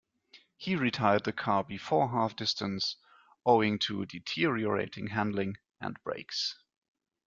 He retired the car before half distance owing to deteriorating handling and brakes.